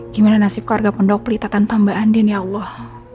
gimana nasib keluarga pendopelita tanpa mbak andin ya allah